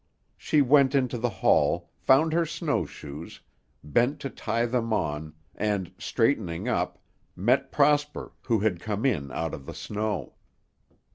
She went into the hall, found her snowshoes, bent to tie them on, and, straightening up, met Prosper who had come in out of the snow.